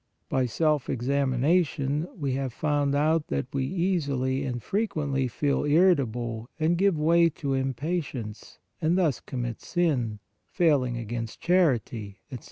By self examination we have found out that we easily and frequently feel irritable and give way to im patience, and thus commit sin, failing against char ity, etc.